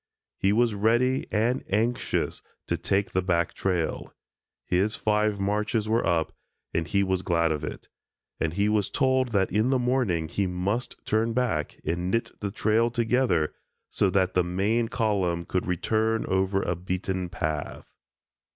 He was ready and anxious to take the back trail. His five marches were up and he was glad of it, and he was told that in the morning he must turn back and knit the trail together, so that the main column could return over a beaten path.